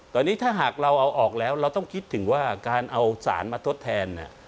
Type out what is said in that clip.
ตอนนี้ถ้าหากเราเอาออกแล้วเราต้องคิดถึงว่าการเอาสารมาทดแทน